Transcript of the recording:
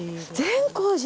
善光寺？